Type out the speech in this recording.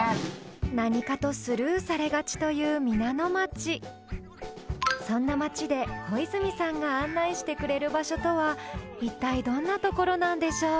何かとスルーされがちという皆野町そんな町で保泉さんが案内してくる場所とは一体どんなところなんでしょう？